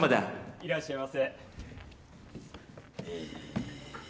いらっしゃいませ！